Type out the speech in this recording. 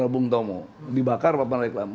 bung tomo dibakar pak panariklamu